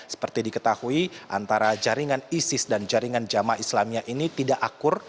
seperti diketahui antara jaringan isis dan jaringan jamaah islamia ini tidak akur